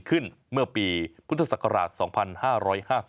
ตามแนวทางศาสตร์พระราชาของในหลวงราชการที่๙